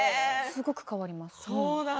すごく変わります。